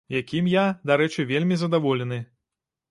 Якім я, дарэчы, вельмі задаволены.